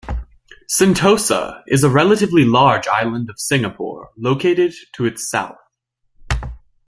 Sentosa is a relatively large island of Singapore located to its south.